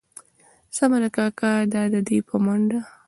سمه ده کاکا دا دي په منډه.